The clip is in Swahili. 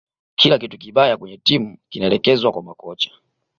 kila kitu kibaya kwenye timu kinaelekezwa kwa makocha